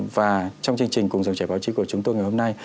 và trong chương trình cùng dòng chảy báo chí của chúng tôi ngày hôm nay